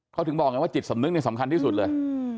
เขาถึงบอกไงว่าจิตสำนึกเนี่ยสำคัญที่สุดเลย